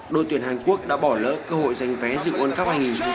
thủ tuyển hàn quốc đã bỏ lỡ cơ hội giành vé dự world cup hai nghìn một mươi tám